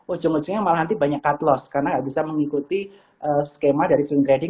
ujung ujungnya malah nanti banyak cut loss karena nggak bisa mengikuti skema dari swing trading